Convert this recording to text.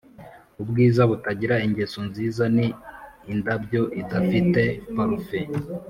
ubwiza butagira ingeso nziza ni indabyo idafite parufe